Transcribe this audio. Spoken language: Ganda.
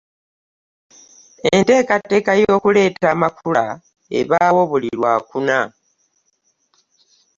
Enteekateeka ey'okuleeta amakula ebaawo buli lwakuna